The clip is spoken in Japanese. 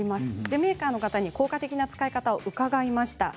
メーカーに効果的な使い方を聞きました。